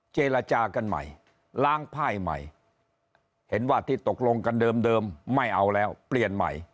เจรจากันใหม่ล้างไพ่ใหม่เห็นว่าที่ตกลงกันเดิมไม่เอาแล้วเปลี่ยนใหม่